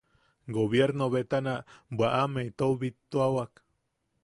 Gobiernobetana bwaʼame itou bibituawan.